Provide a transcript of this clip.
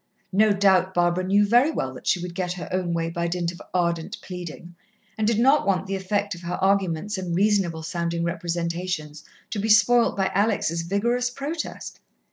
No doubt Barbara knew very well that she would get her own way by dint of ardent pleading, and did not want the effect of her arguments and reasonable sounding representations to be spoilt by Alex' vigorous protest.